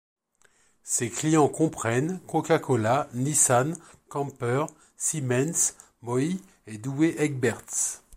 Ses clients comprennent Coca-Cola, Nissan, Camper, Siemens, Moooi et Douwe Egberts.